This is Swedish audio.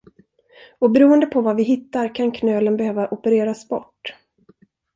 Och beroende på vad vi hittar kan knölen behöva opereras bort.